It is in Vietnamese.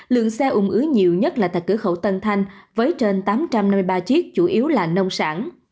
lượng xe ung ứ nhiều nhất là tại cửa khẩu tân thanh với trên tám trăm năm mươi ba chiếc chủ yếu là nông sản